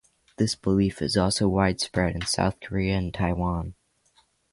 This belief is also widespread in South Korea and Taiwan.